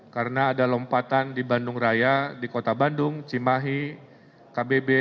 karena ada lompatan di bandung raya di kota bandung cimahi kbb